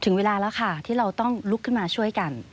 เวลาแล้วค่ะที่เราต้องลุกขึ้นมาช่วยกัน